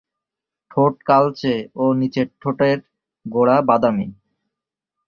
ঠোঁট কালচে ও নিচের ঠোঁটের গোড়া বাদামি।